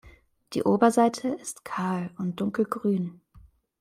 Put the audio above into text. Die Oberseite ist kahl und dunkelgrün.